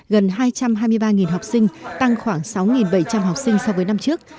gần hai trăm hai mươi ba học sinh tăng khoảng sáu bảy trăm linh học sinh so với năm trước